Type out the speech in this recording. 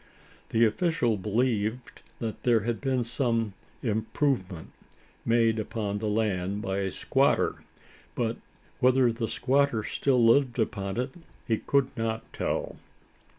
The official believed there had been some "improvement" made upon the land by a squatter; but whether the squatter still lived upon it, he could not tell.